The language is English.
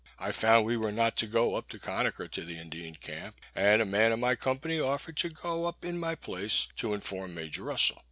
I found we were not to go up the Conaker to the Indian camp, and a man of my company offered to go up in my place to inform Major Russell.